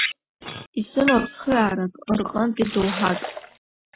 Исымоуп цхыраарак, рҟынтәи, доуҳак.